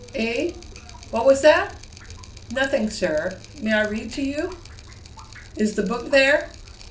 "Eh? What was that?" "Nothing, sir. May I read to you?" "Is the Book there?"